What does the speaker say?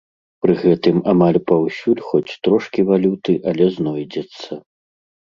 Пры гэтым, амаль паўсюль хоць трошкі валюты, але знойдзецца.